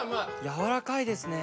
やわらかいですね。